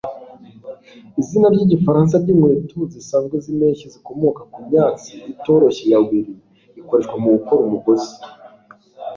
Izina ryigifaransa ryinkweto zisanzwe zimpeshyi zikomoka kumyatsi itoroshye ya wiry ikoreshwa mugukora umugozi